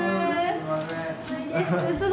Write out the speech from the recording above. すみません。